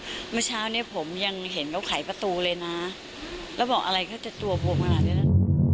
เมื่อเช้านี้ผมยังเห็นเขาไขประตูเลยนะแล้วบอกอะไรเขาจะตัวผมขนาดนี้นะ